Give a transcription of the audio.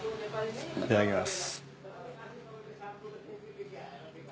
いただきます。